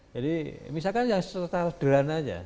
jadi misalkan yang sederhana aja